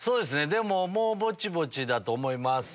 でももうボチボチだと思います。